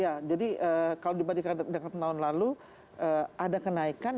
ya jadi kalau dibandingkan dengan tahun lalu ada kenaikan